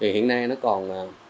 hiện nay nó còn